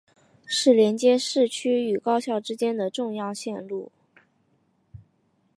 是连接市区与高校之间的重要线路。